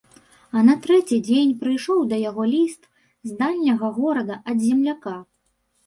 А на трэці дзень прыйшоў да яго ліст з дальняга горада ад земляка.